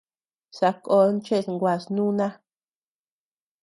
Sakón cheʼës nguas núna.